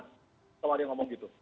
kalau dia ngomong gitu